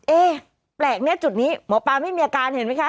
แปลกเนี่ยจุดนี้หมอปลาไม่มีอาการเห็นไหมคะ